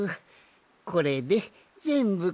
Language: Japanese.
これでぜんぶかの？